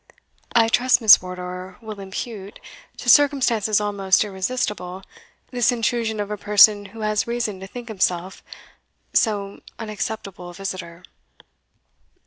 "I trust Miss Wardour will impute, to circumstances almost irresistible, this intrusion of a person who has reason to think himself so unacceptable a visitor."